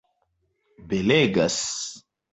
belegas